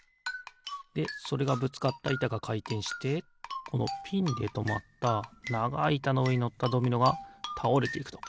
でそれがぶつかったいたがかいてんしてこのピンでとまったながいいたのうえにのったドミノがたおれていくと。